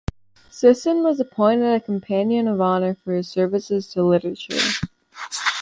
Sisson was appointed a Companion of Honour for his services to Literature.